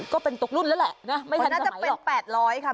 ก็เป็นตกรุ่นแล้วแหละไม่ทันสมัยหรอก